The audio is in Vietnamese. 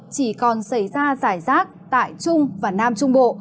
chỉ còn xảy ra giải rác tại trung và nam trung bộ